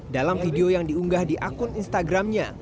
dalam video yang diunggah di akun instagramnya